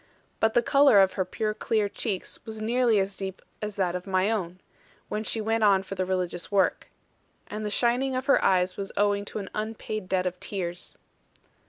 But the colour of her pure clear cheeks was nearly as deep as that of my own, when she went on for the religious work. And the shining of her eyes was owing to an unpaid debt of tears.